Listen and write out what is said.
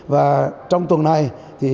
và trong tuần này thì